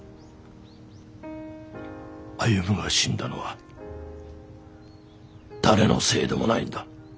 歩が死んだのは誰のせいでもないんだ。